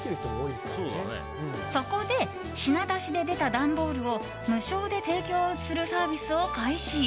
そこで、品出しで出た段ボールを無償で提供するサービスを開始。